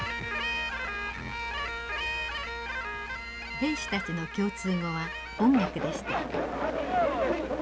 兵士たちの共通語は音楽でした。